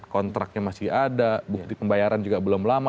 kontraknya masih ada bukti pembayaran juga belum lama